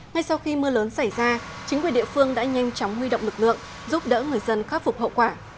ngay sau khi mưa lớn xảy ra chính quyền địa phương đã nhanh chóng huy động lực lượng giúp đỡ người dân khắc phục hậu quả